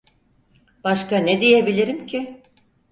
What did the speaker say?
Başka ne diyebilirim ki?